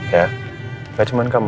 ya gak cuman kamu